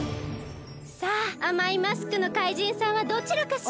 さああまいマスクのかいじんさんはどちらかしら？